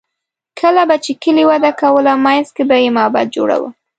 کله به چې کلي وده کوله، منځ کې به یې معبد جوړاوه.